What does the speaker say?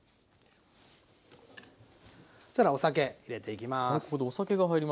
そしたらお酒入れていきます。